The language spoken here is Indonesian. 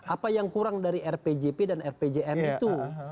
apa yang kurang dari rpjp dan rpjm itu